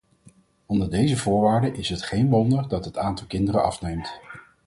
Onder deze voorwaarden is het geen wonder dat het aantal kinderen afneemt.